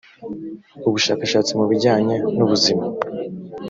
ubushakashatsi mu bijyanye n ubuzima